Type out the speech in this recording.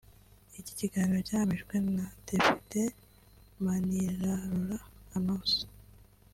Iki gihango cyahamijwe na Depite Manirarora Annoncée